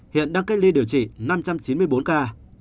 hiện đang cách ly điều trị năm trăm chín mươi bốn ca